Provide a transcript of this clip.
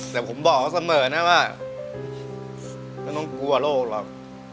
แต่ผมบอกเขาเสมอนะว่าไม่ต้องกลัวโรคหรอก